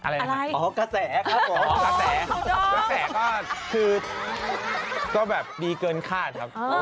แล้วแต่ก็คือก็แบบดีเกินคาดครับ